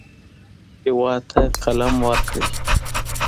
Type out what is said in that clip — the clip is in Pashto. هېواد ته قلم ورکړئ